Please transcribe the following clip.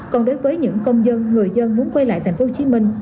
còn đối với những công dân người dân muốn quay lại thành phố hồ chí minh